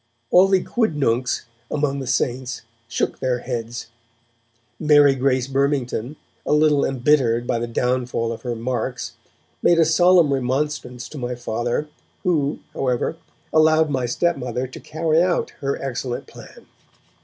All the quidnuncs among the 'saints' shook their heads; Mary Grace Burmington, a little embittered by the downfall of her Marks, made a solemn remonstrance to my Father, who, however, allowed my stepmother to carry out her excellent plan.